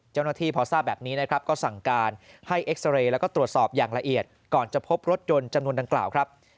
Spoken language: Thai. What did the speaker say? เจ้าหน้าที่พอทราบแบบนี้นะครับก็สั่งการให้เอ็กซาเรย์แล้วก็ตรวจสอบอย่างละเอียดก่อนจะพบรถยนต์จำนวนดังกล่าวครับ